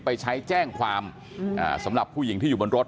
ไปใช้แจ้งความสำหรับผู้หญิงที่อยู่บนรถ